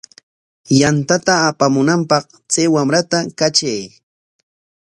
Yantata apamunanpaq chay wamrata katray.